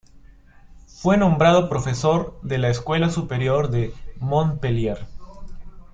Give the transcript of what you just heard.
Fue nombrado profesor de la Escuela Superior de Montpellier.